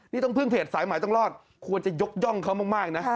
นี่ต้องพึ่งเพจสายหมายต้องรอดควรจะยกย่องเขามากนะ